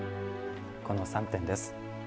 この３点です。